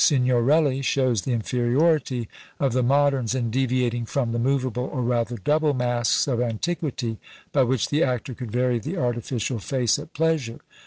Signorelli shows the inferiority of the moderns in deviating from the moveable or rather double masks of antiquity, by which the actor could vary the artificial face at pleasure.